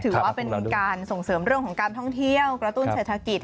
ถือว่าเป็นการส่งเสริมเรื่องของการท่องเที่ยวกระตุ้นเศรษฐกิจ